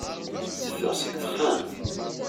Teffeɣ seg texxamt.